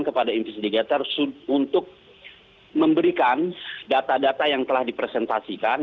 kepada investigator untuk memberikan data data yang telah dipresentasikan